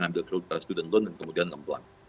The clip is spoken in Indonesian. jadi kita harus mengambil student loan dan kemudian ngembang